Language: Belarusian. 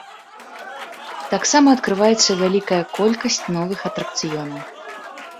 Таксама адкрываецца вялікая колькасць новых атракцыёнаў.